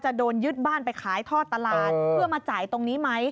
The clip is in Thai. โดนยึดบ้านไปขายทอดตลาดเพื่อมาจ่ายตรงนี้ไหม